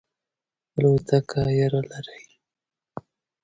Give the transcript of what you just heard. الوتکه یره لرئ؟